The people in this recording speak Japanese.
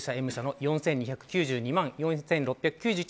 Ａ、Ｌ、Ｍ社の４２９２万４６９１円